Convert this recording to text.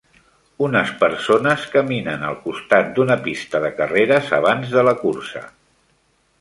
Unes persones caminen al costat d'una pista de carreres abans de la cursa.